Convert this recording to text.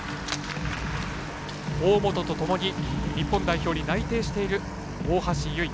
大本とともに日本代表に内定している、大橋悠依。